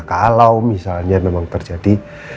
kalau misalnya memang terjadi